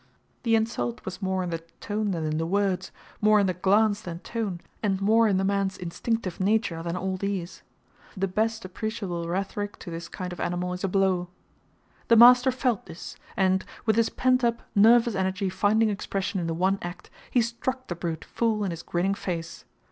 The insult was more in the tone than in the words, more in the glance than tone, and more in the man's instinctive nature than all these. The best appreciable rhetoric to this kind of animal is a blow. The master felt this, and, with his pent up, nervous energy finding expression in the one act, he struck the brute full in his grinning face.